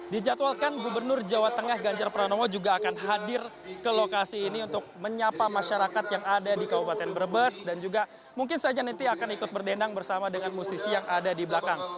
dijadwalkan gubernur jawa tengah ganjar pranowo juga akan hadir ke lokasi ini untuk menyapa masyarakat yang ada di kabupaten brebes dan juga mungkin saja nanti akan ikut berdendang bersama dengan musisi yang ada di belakang